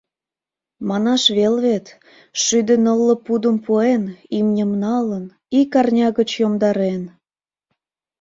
Манаш веле вет, шӱдӧ нылле пудым пуэн, имньым налын, ик арня гыч йомдарен...